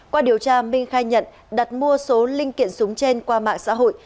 qua điều tra minh khai nhận đặt mua số linh kiện súng trên qua mạng xã hội